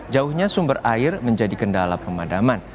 jauhnya sumber air menjadi kendala pemadaman